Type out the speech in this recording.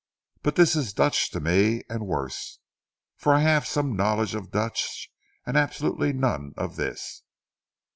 But this is Dutch to me and worse, for I have some knowledge of Dutch and absolutely none of this.